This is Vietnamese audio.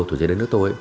thủ chế đến nước tôi